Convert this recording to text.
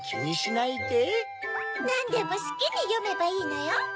なんでもすきによめばいいのよ。